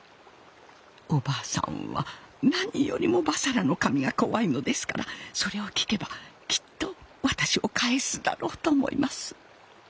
お婆さんは何よりも婆娑羅の神が怖いのですからそれを聞けばきっと私を返すだろうと思います。